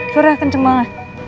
surah kenceng banget